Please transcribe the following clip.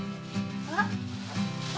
あっ！